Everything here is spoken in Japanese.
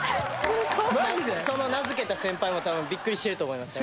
その名付けた先輩もびっくりしてると思います。